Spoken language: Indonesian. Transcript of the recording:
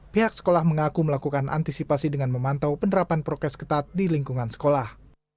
pihak sekolah mengaku melakukan antisipasi dengan memantau penerapan prokes ketat di lingkungan sekolah